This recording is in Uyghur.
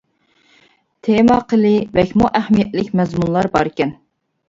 تېما قىلى. بەكمۇ ئەھمىيەتلىك مەزمۇنلار باركەن!